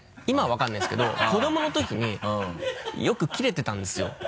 今は分からないですけど子どもの時によくキレてたんですよ。